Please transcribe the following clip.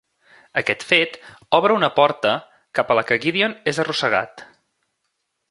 Aquest fet obre una porta cap a la que Gideon es arrossegat.